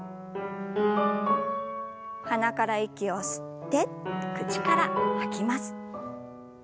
鼻から息を吸って口から吐きます。